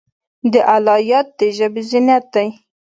د الله یاد د ژبې زینت دی.